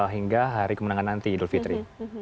hingga hari kemenangan nanti idul fitri